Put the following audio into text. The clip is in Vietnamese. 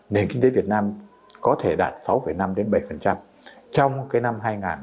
nền kinh tế việt nam có thể đạt sáu năm bảy trong năm hai nghìn hai mươi hai